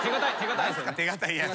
手堅いやつ。